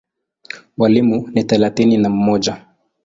Walimu ni thelathini na mmoja.